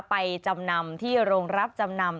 ไปจำนำที่รวมรับจำนำ